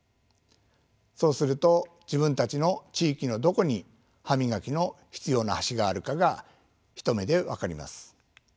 そうすると自分たちの地域のどこに歯磨きの必要な橋があるかが一目で分かります。